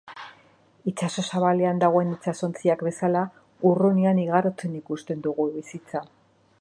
Itsaso zabalean dagoen itsasontziak bezala, urrunean igarotzen ikusten dugun bizitza.